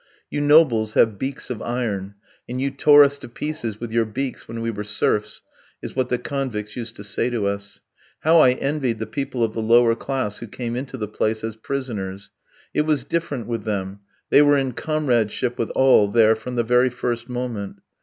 "You nobles have beaks of iron, and you tore us to pieces with your beaks when we were serfs," is what the convicts used to say to us. How I envied the people of the lower class who came into the place as prisoners! It was different with them, they were in comradeship with all there from the very first moment.